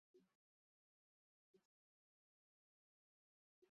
与邻站中井站及中野坂上站一样将月台设于首都高速中央环状新宿线下方。